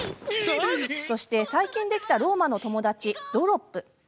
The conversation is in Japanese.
そして、最近できたロウマの友達、ドロップ。